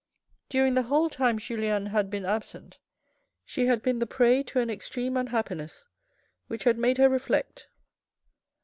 During the whole time Julien had been absent she had been the prey to an extreme unhappiness which had made her reflect.